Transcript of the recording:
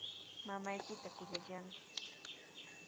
Mamaykita kuyallanki.